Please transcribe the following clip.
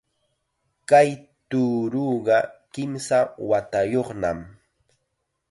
Kay tuuruqa kimsa watayuqnam